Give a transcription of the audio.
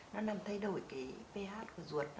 nó làm thay đổi cái ph của ruột